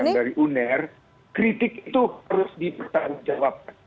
dan yang dari uner kritik itu harus dipertanggungjawabkan